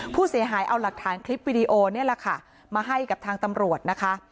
ผู้เสียหายเอาหลักฐานคลิปวิดีโอนี่แหละค่ะมาให้กับทางตำรวจนะคะ